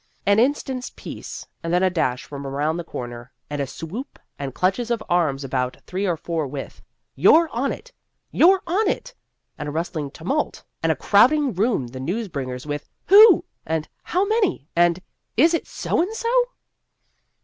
An instant's peace, and then a dash from around the corner, and a swoop, and clutches of arms about three or four with, " You 're on it ! You 're on it !" and a rustling tumult and a crowd 102 Vassar Studies ing round the news bringers with, " Who ?" and " How many ?" and " Is it so and so